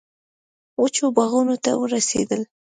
وچو باغونو ته ورسېدل.